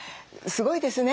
すごいですね。